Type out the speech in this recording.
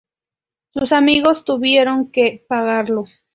Sus amigos tuvieron que pagarlo.